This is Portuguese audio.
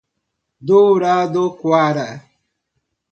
Douradoquara